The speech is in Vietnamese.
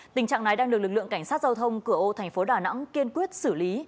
tình trạng này đang được lực lượng cảnh sát giao thông cửa ô thành phố đà nẵng kiên quyết xử lý